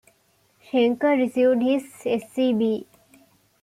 Shenker received his Sc.B.